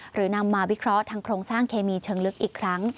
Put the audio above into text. นำมาวิเคราะห์ทางโครงสร้างเคมีเชิงลึกอีกครั้ง